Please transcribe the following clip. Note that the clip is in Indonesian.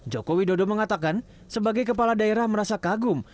jokowi dodo mengatakan sebagai kepala daerah merasa kagum